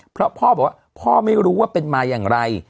เพราะพ่อบอกว่าพ่อไม่รู้ว่าเป็นมาอย่างไร